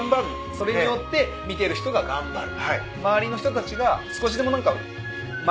それによって見てる人が頑張る。